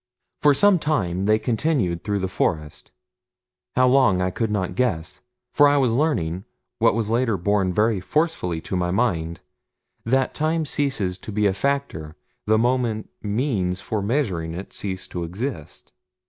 For some time they continued through the forest how long I could not guess for I was learning, what was later borne very forcefully to my mind, that time ceases to be a factor the moment means for measuring it cease to exist.